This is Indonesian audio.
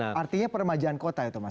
artinya peremajaan kota itu maksudnya